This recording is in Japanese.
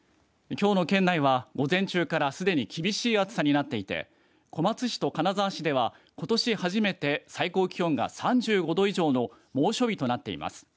きょうの県内は午前中から常に厳しい暑さになっていて小松市と金沢市ではことし初めて最高気温が３５度以上の猛暑日となっています。